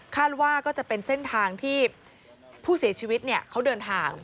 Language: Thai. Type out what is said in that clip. ว่าจะเป็นเส้นทางที่ผู้เสียชีวิตเขาเดินทาง